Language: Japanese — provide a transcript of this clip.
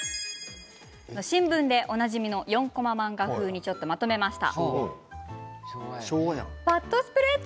新聞でおなじみの４コマ漫画風にまとめました。